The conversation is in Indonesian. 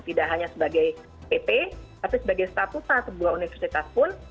tidak hanya sebagai pp tapi sebagai statuta sebuah universitas pun